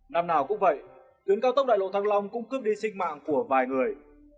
năm nào cũng vậy tuyến cao tốc đại lộ thăng long cũng cướp đi sinh mạng của vài người